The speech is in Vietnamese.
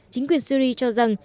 chính quyền syri cho rằng